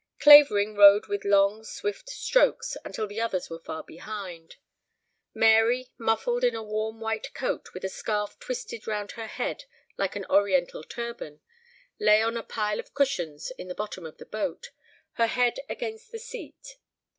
Clavering rowed with long swift strokes until the others were far behind. Mary, muffled in a warm white coat and with a scarf twisted round her head like an Oriental turban, lay on a pile of cushions in the bottom of the boat, her head against the seat.